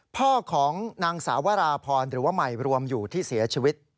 พ่อของนางสาวราพรหรือว่าใหม่รวมอยู่ที่เสียชีวิต